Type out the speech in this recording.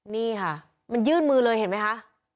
นี่ค่ะมันยื่นมือเลยเห็นไหมคะ